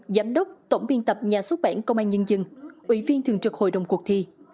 giám đốc tổng biên tập nhà xuất bản công an nhân dân ủy viên thường trực hội đồng cuộc thi